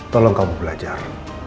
tolong kamu belajar